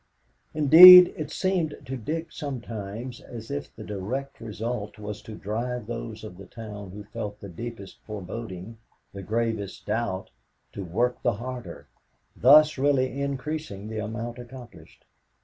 Indeed, it seemed to Dick sometimes as if the direct result was to drive those of the town who felt the deepest foreboding, the gravest doubt, to work the harder, thus really increasing the amount accomplished.